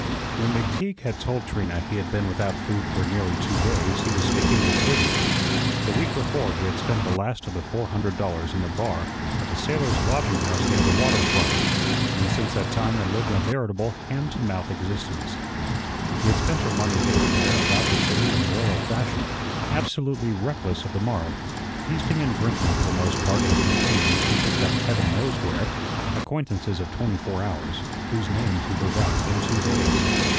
When McTeague had told Trina he had been without food for nearly two days he was speaking the truth. The week before he had spent the last of the four hundred dollars in the bar of a sailor's lodging house near the water front, and since that time had lived a veritable hand to mouth existence. He had spent her money here and there about the city in royal fashion, absolutely reckless of the morrow, feasting and drinking for the most part with companions he picked up heaven knows where, acquaintances of twenty four hours, whose names he forgot in two days.